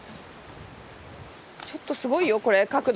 ちょっとすごいよこれ角度。